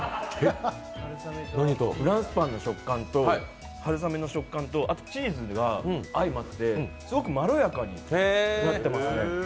フランスパンの食感と春雨の食感とあとチーズが相まって、すごくまろやかになってますね。